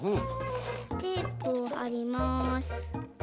テープをはります。